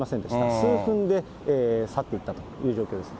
数分で去っていったという状況です。